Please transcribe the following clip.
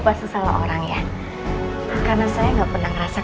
karena aku ke jakarta dengan masing masing cari kakak